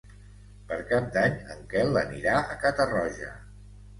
Per Cap d'Any en Quel anirà a Catarroja.